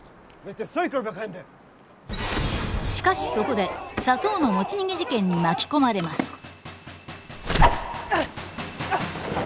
しかしそこで砂糖の持ち逃げ事件に巻き込まれます。